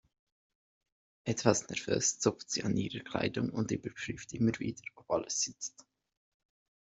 Etwas nervös zupft sie an ihrer Kleidung und überprüft immer wieder, ob alles sitzt.